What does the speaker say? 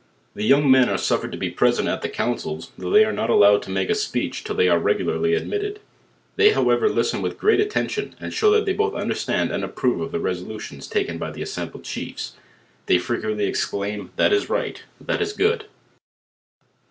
The young men are suffered to be present at the council?, though ihey are not allowed to make a speech till they are regulirly admitted; they however listen with gr^at atten tion, and to show that they both understand and approyo of the resolutions taken by the assembled chiefs, they fre quently exclaim, "That is right,*' "That is good."